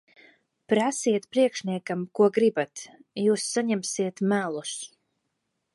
Prasiet priekšniekiem, ko gribat. Jūs saņemsiet melus.